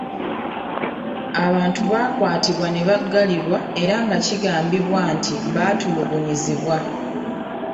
Abantu baakwatibwa ne baggalirwa era nga kigambibwa nti baatulugunyizibwa.